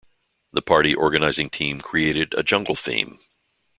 The party organizing team created a "jungle" theme.